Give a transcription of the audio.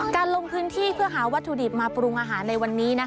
ลงพื้นที่เพื่อหาวัตถุดิบมาปรุงอาหารในวันนี้